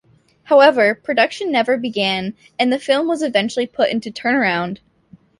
However, production never began and the film was eventually put into turnaround.